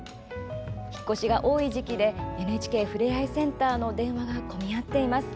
引っ越しが多い時期でＮＨＫふれあいセンターの電話が混み合っています。